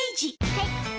はい。